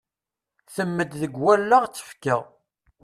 Temmed deg wallaɣ d tfekka.